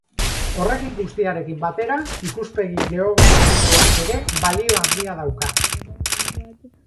Horrekin guztiarekin batera, ikuspegi geografikoak ere balio handia dauka.